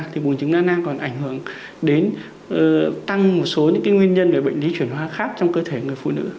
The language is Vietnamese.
thì bùn trứng đa năng còn ảnh hưởng đến tăng một số những nguyên nhân về bệnh lý chuyển hoa khác trong cơ thể người phụ nữ